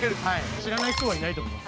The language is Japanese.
知らない人はいないと思います。